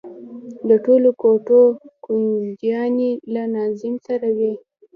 د ټولو کوټو کونجيانې له ناظم سره وي.